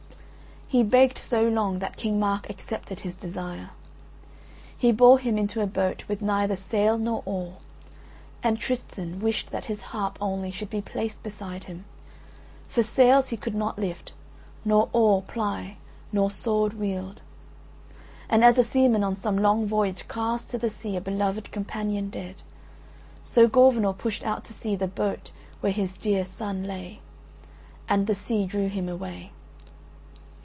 He begged so long that King Mark accepted his desire. He bore him into a boat with neither sail nor oar, and Tristan wished that his harp only should be placed beside him: for sails he could not lift, nor oar ply, nor sword wield; and as a seaman on some long voyage casts to the sea a beloved companion dead, so Gorvenal pushed out to sea that boat where his dear son lay; and the sea drew him away.